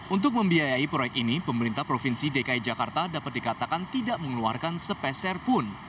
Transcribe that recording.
untuk membiayai proyek ini pemerintah provinsi dki jakarta dapat dikatakan tidak mengeluarkan sepeserpun